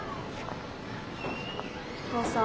お父さん。